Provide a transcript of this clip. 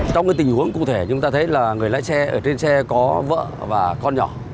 trong cái tình huống cụ thể chúng ta thấy là người lái xe ở trên xe có vợ và con nhỏ